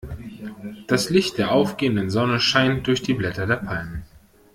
Das Licht der aufgehenden Sonne scheint durch die Blätter der Palmen.